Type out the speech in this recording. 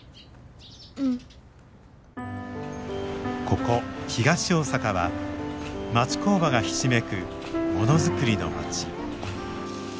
ここ東大阪は町工場がひしめくものづくりの町。